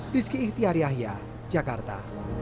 rizky ihtiariahya jakarta